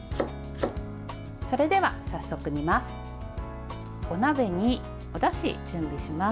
それでは早速、煮ます。